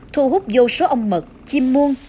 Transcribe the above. thu hút vô số ông mật chim muôn